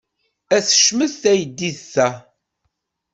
Ay tecmet teydit-a!